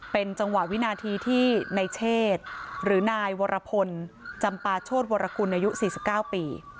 เป็นจังหวะวินาทีที่ในเชศหรือนายวรพลจำปาโชษวรคุณอายุสี่สิบเก้าปี